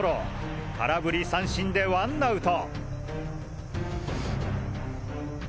空振り三振でワンアウト！